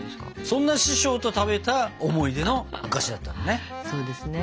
そんな師匠と食べた思い出のお菓子だったんだね。